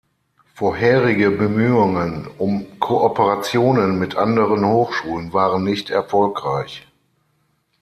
Vorherige Bemühungen um Kooperationen mit anderen Hochschulen waren nicht erfolgreich.